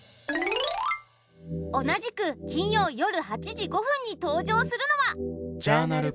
同じく金曜夜８時５分に登場するのは。